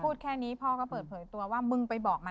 พอพูดแค่นี้พ่อก็เปิดเผยตัวว่า